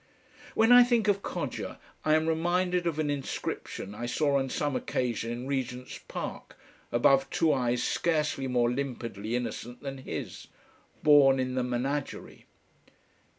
When I think of Codger I am reminded of an inscription I saw on some occasion in Regent's Park above two eyes scarcely more limpidly innocent than his "Born in the Menagerie."